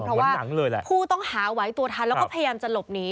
เพราะว่าผู้ต้องหาไหวตัวทันแล้วก็พยายามจะหลบหนี